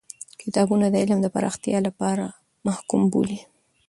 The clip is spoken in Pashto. کتابونه د علم د پراختیا لپاره محکوم بولی.